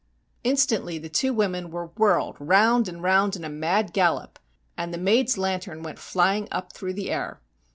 ' Instantly the two women were whirled round and round in a mad gallop, and the maid's lantern went flying up through the air.